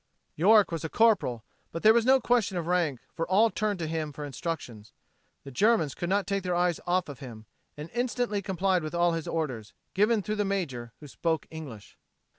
York was a corporal, but there was no question of rank for all turned to him for instructions. The Germans could not take their eyes off of him, and instantly complied with all his orders, given through the major, who spoke English.